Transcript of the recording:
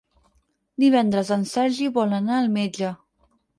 Divendres en Sergi vol anar al metge.